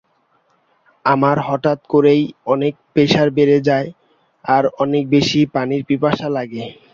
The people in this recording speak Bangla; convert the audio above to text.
আমার হঠাৎ করেই অনেক প্রেসার বেড়ে যায় আর অনেক বেশি পানির পিপাসা লাগে।